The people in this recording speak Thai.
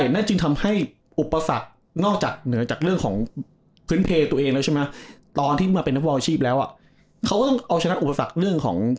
นั่นจึงทำให้อุปสรรคนอกจากเลยจากเรื่องของ